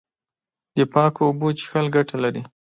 د پاکو اوبو څښل ګټه لري.